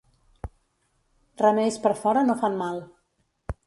Remeis per fora no fan mal.